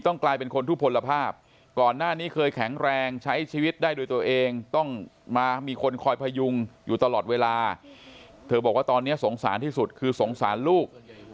เธอบอกว่าตอนนี้สงสารที่สุดคือสงสารลูก